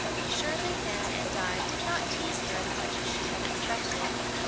Shirley, Nan, and Di did not tease her as much as she had expected.